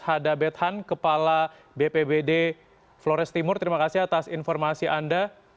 hada bethan kepala bpbd flores timur terima kasih atas informasi anda